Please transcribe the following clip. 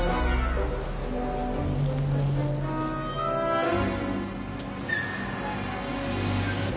あっ？